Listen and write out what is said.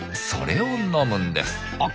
それを飲むんです。